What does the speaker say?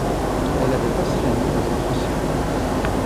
Elle avait passé la nuit dans un fossé.